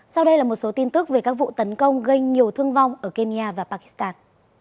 sau đây là một số tin tức về các vụ tấn công gây nhiều thương vong ở kenya và pakistan